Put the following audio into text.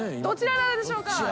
どちらなのでしょうか。